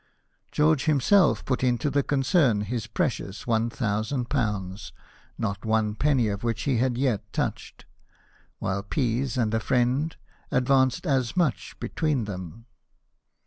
George himself put into the concern his precious ^1000, not one penny of which he had yet touched ; while Pease and a friend advanced as much between them.